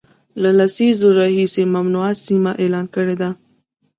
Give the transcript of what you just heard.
له لسیزو راهیسي ممنوع سیمه اعلان کړې ده